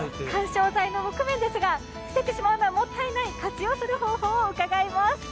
緩衝材の木毛ですが捨ててしまうのはもったいない！活用する方法を伺います。